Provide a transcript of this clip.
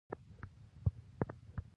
د چاپیریال ساتنه د چا دنده ده؟